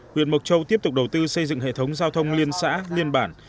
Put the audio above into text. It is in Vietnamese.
huyện mộc châu tiếp tục đầu tư xây dựng hệ thống giao thông liên xã liên bản